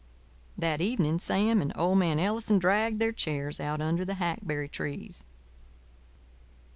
That evening Sam and old man Ellison dragged their chairs out under the hackberry trees.